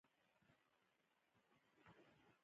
د خپرېدو ناروغۍ د هوا له لارې لېږدېږي.